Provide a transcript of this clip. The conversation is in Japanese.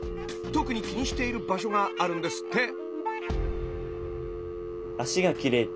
特に気にしている場所があるんですって。